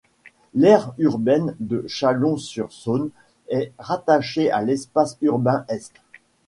L'aire urbaine de Chalon-sur-Saône est rattachée à l'espace urbain Est.